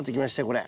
これ。